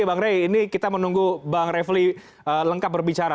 bang rey ini kita menunggu bang refli lengkap berbicara